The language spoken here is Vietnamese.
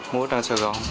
mua ở trang sài gòn